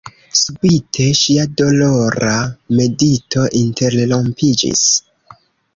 Subite ŝia dolora medito interrompiĝis.